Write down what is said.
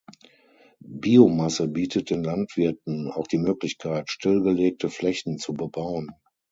Biomasse bietet den Landwirten auch die Möglichkeit, stillgelegte Flächen zu bebauen.